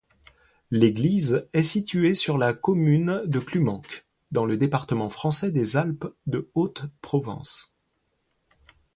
L'église est située sur la commune de Clumanc, dans le département français des Alpes-de-Haute-Provence.